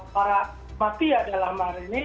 para mafia dalam hal ini